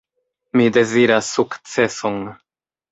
Mi deziras sukceson.